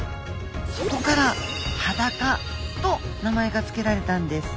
そこからハダカと名前が付けられたんです